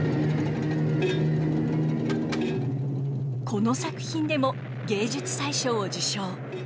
この作品でも芸術祭賞を受賞。